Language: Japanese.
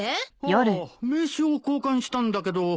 ああ名刺を交換したんだけど。